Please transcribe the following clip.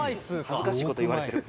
「恥ずかしい事言われてる」